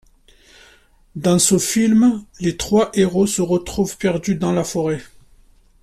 Dans ce film, les trois héros se retrouvent perdus dans la forêt.